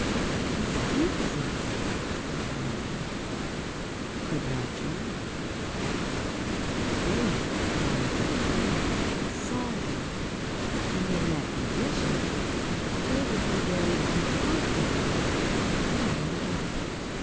"The Skeezers," said Ozma, "could not drown; they only get wet and soggy and in that condition they would be very uncomfortable and unhappy.